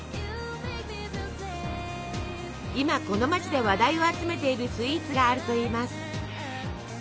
今この街で話題を集めているスイーツがあるといいます。